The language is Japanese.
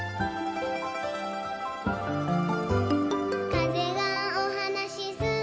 「かぜがおはなしするたび」